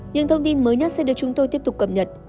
những thông tin mới nhất sẽ được chúng tôi tiếp tục cập nhật